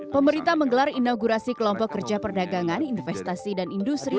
pemerintah menggelar inaugurasi kelompok kerja perdagangan investasi dan industri